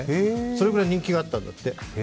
それぐらい人気があったんだって。